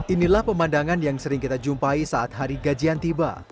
inilah pemandangan yang sering kita jumpai saat hari gajian tiba